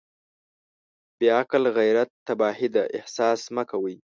بې عقل غيرت تباهي ده احساسات مه کوئ.